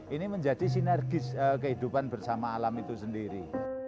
ini menjadi sinergis kehidupan bersama alam itu sendiri